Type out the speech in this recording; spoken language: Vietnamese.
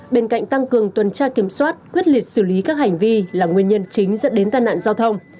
bên cạnh tăng cường tuần tra kiểm soát quyết liệt xử lý các hành vi là nguyên nhân chính dẫn đến tai nạn giao thông